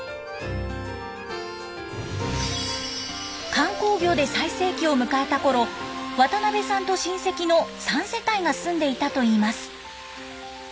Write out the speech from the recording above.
観光業で最盛期を迎えたころ渡邊さんと親戚の３世帯が住んでいたといいます。